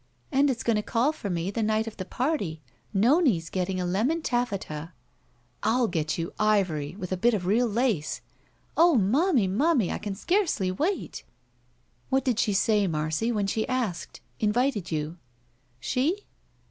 "And it's going to caU for me the night of the party. Nome's getting a lemon taffeta." "I'll get you ivory, with a bit of real lace!" •*0h, momie, momie, I can scarcely wait!" "What did she say, Marcy, when she asked — invited you?" "She?"